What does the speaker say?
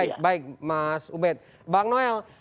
baik baik mas ubed bang noel